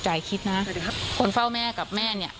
ใจคิดนะสวัสดีครับคนเฝ้าแม่กับแม่เนี้ย